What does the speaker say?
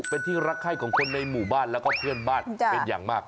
เป็นที่รักไข้ของคนในหมู่บ้านแล้วก็เพื่อนบ้านเป็นอย่างมาก